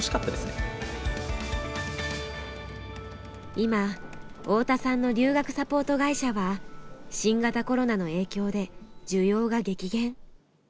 今太田さんの留学サポート会社は新型コロナの影響で需要が激減。